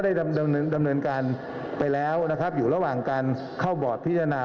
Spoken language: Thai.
ดำเนินการไปแล้วนะครับอยู่ระหว่างการเข้าบอร์ดพิจารณา